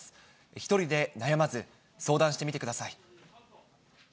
１人で悩まず、相談してみてください。